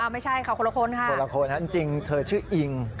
ไม่ใช่ค่ะคนละคนค่ะคนละคนจริงเธอชื่ออิง